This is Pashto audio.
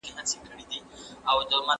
تاسي تل په ارام اوسیږئ.